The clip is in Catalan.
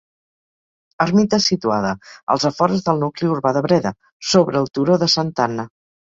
Ermita situada als afores del nucli urbà de Breda, sobre el Turó de Santa Anna.